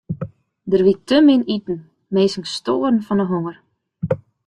Der wie te min te iten, minsken stoaren fan 'e honger.